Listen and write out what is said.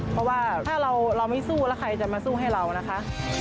เพราะว่าถ้าเราไม่สู้แล้วใครจะมาสู้ให้เรานะคะ